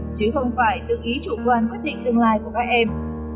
chứ không phải tự ý chủ quan quyết định tương lai của các em